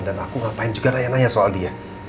dan aku ngapain juga raya raya soal dia